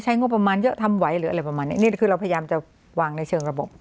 งบประมาณเยอะทำไหวหรืออะไรประมาณนี้นี่คือเราพยายามจะวางในเชิงระบบ